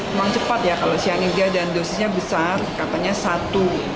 memang cepat ya kalau cyanida dan dosisnya besar katanya satu